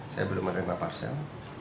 saya belum menerima parsel